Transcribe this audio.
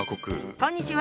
こんにちは。